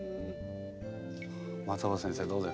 松尾葉先生どうですか？